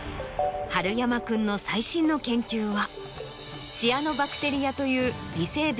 春山君の最新の研究は。